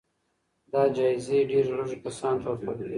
دا جايزې ډېر لږو کسانو ته ورکول کېږي.